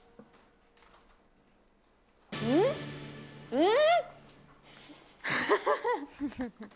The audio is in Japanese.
うん？